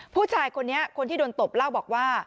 ผู้ชายคนนี้คนที่โดนตบเล่าบอกว่า